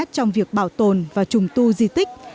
trong việc bảo tồn và trùng tu di tích